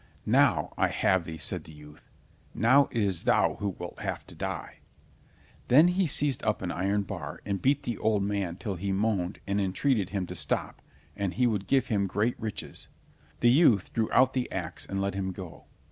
"Now I have thee," said the youth. "Now it is thou who wilt have to die." Then he seized an iron bar and beat the old man till he moaned and entreated him to stop, and he would give him great riches. The youth drew out the ax and let him go.